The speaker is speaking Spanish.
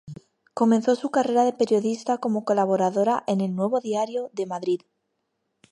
Comenzó su carrera de periodista como colaboradora en el "Nuevo Diario" de Madrid.